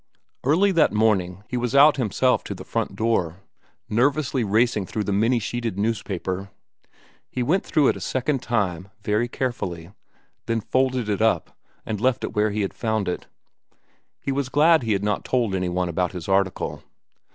Early that morning he was out himself to the front door, nervously racing through the many sheeted newspaper. He went through it a second time, very carefully, then folded it up and left it where he had found it. He was glad he had not told any one about his article.